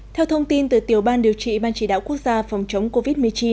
theo thông tin từ tiểu ban điều trị ban chỉ đạo quốc gia phòng chống covid một mươi chín